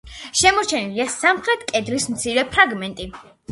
შემორჩენილია სამხრეთ კედლის მცირე ფრაგმენტი.